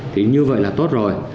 thì như vậy là tốt rồi